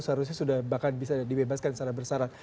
seharusnya sudah bahkan bisa dibebaskan secara bersarat